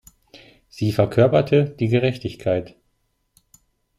Sie verkörperte die Gerechtigkeit.